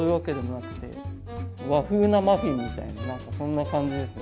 和風なマフィンみたいな何かそんな感じですね。